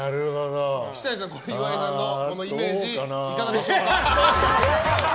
岸谷さん、岩井さんのイメージいかがでしょうか。